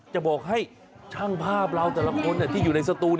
จะบอกให้ช่างภาพเราแต่ละคนที่อยู่ในสตูน